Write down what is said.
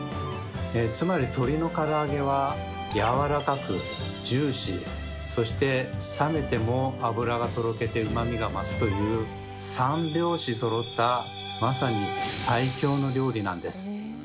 つまり鶏のから揚げはやわらかくジューシーそして冷めても脂がとろけてうまみが増すという三拍子そろったまさに最強の料理なんです。